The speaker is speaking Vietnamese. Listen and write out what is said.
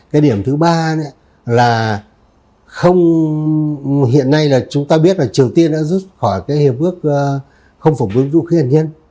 cái điểm thứ ba là hiện nay là chúng ta biết là triều tiên đã rút khỏi cái hiệp ước không phổng quân vũ khí hành nhân